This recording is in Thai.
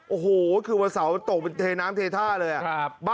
โอ้โหคือวันเสาร์มันตกเป็นเทน้ำเทท่าเลย